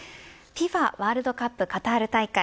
ＦＩＦＡワールドカップカタール大会